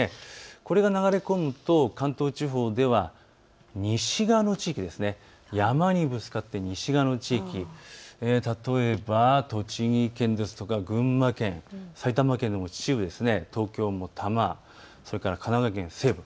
これが流れ込むと関東地方では山にぶつかって西側の地域、例えば栃木県ですとか群馬県、埼玉県の秩父、東京の多摩それから神奈川県の西部